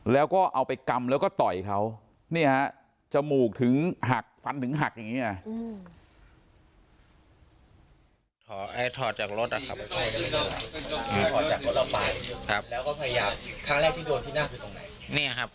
แล้วก็เอาไปกำแล้วก็ต่อยเขาเนี่ยฮะจมูกถึงหักฟันถึงหักอย่างนี้ไง